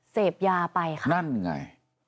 เสพยาไปค่ะนั่นไง